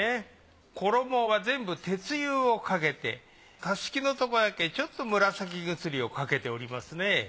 衣が全部鉄釉をかけてたすきのとこだけちょっと紫ぐすりをかけておりますね。